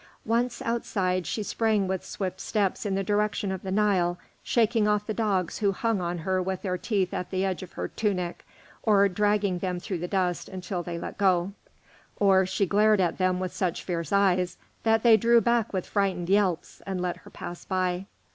Once outside, she sprang with swift steps in the direction of the Nile, shaking off the dogs who hung on with their teeth at the edge of her tunic, or dragging them through the dust until they let go; or she glared at them with such fierce eyes that they drew back with frightened yelps and let her pass by.